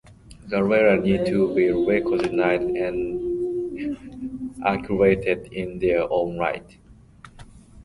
The latter need to be recognised and articulated in their own right.